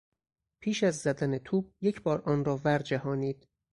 پیش از زدن توپ یکبار آن را ورجهانید.